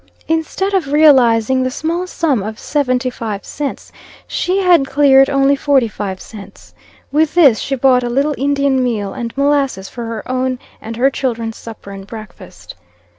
Instead of realizing the small sum of seventy five cents, she had cleared only forty five cents. With this she bought a little Indian meal and molasses for her own and her children's supper and breakfast.